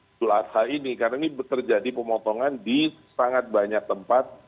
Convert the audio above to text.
idul adha ini karena ini terjadi pemotongan di sangat banyak tempat